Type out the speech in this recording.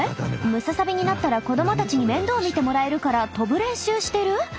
ムササビになったら子どもたちに面倒見てもらえるから飛ぶ練習してる？